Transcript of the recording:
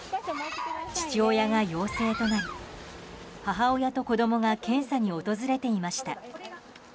父親が陽性となり、母親と子供が検査に訪れていました。